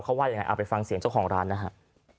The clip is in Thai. เขาว่ายังไงเอาไปฟังเสียงเจ้าของร้านนะฮะ